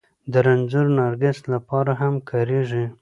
د رنځور نرګس لپاره هم کارېږي